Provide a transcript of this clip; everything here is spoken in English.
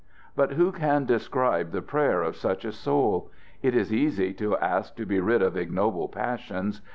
But who can describe the prayer of such a soul! It is easy to ask to be rid of ignoble passions.